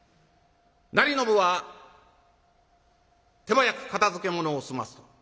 成信は手早く片づけものを済ます。